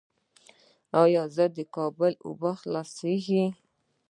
آیا د کابل اوبه خلاصیږي؟